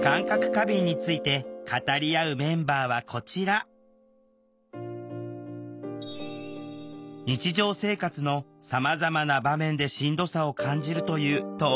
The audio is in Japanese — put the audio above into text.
過敏について語り合うメンバーはこちら日常生活のさまざまな場面でしんどさを感じるという当事者３人。